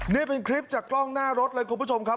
นี่เป็นคลิปจากกล้องหน้ารถเลยคุณผู้ชมครับ